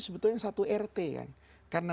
sebetulnya satu rt kan